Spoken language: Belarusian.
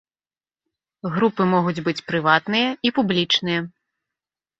Групы могуць быць прыватныя і публічныя.